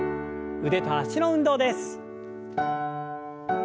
腕と脚の運動です。